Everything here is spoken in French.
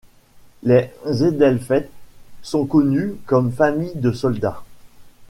Les Edelfelt sont connus comme famille de soldats.